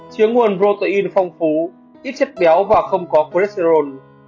chứa nguồn protein phong phú ít chất béo và không có proresterone